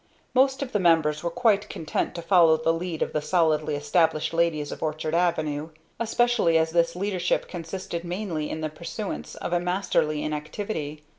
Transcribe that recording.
Most of the members were quite content to follow the lead of the solidly established ladies of Orchard Avenue; especially as this leadership consisted mainly in the pursuance of a masterly inactivity.